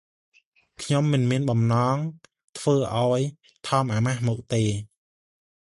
ខ្ញុំមិនមានបំណង ធ្វើឱ្យ ថមអាម៉ាស់មុខទេ។